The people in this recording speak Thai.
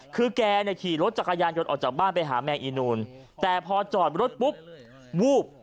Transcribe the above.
คือแกเนี่ยขี่รถจักรยานยนต์ออกจากบ้านไปหาแมงอีนูนแต่พอจอดรถปุ๊บวูบ